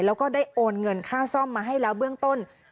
แล้วก็ได้โอนเงินค่าซ่อมมาให้แล้วเบื้องต้น